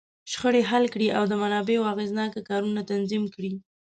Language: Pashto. شخړې حل کړي، او د منابعو اغېزناک کارونه تنظیم کړي.